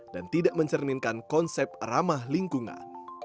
dan tidak mencerminkan konsep ramah lingkungan